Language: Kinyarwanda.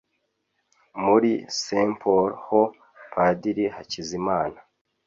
muri St Paul ho Padiri Hakizimana